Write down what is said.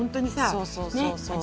そうそうそうそう。